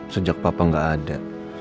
sejak papa gak ada